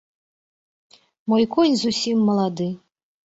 Мой конь зусім малады.